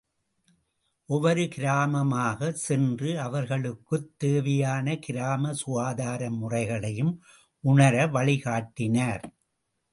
ஒவ்வொரு கிராமமாகச் சென்று அவரவர்களுக்குத் தேவையான கிராம சுகாதார முறைகளையும் உணர வழிகாட்டினார்.